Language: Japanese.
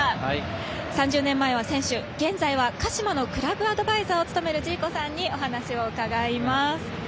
３０年前は選手現在は鹿島のクラブアドバイザーを務めるジーコさんにお話を伺います。